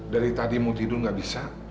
dari tadi mau tidur gak bisa